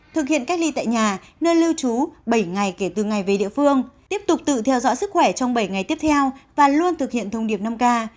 thực hiện cách ly tại nhà nơi lưu trú bảy ngày kể từ ngày về địa phương tiếp tục tự theo dõi sức khỏe trong bảy ngày tiếp theo và luôn thực hiện thông điệp năm k